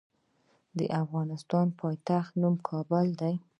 د افغانستان د پايتخت نوم کابل دی.